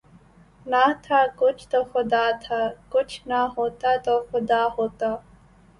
نہ تھا کچھ تو خدا تھا، کچھ نہ ہوتا تو خدا ہوتا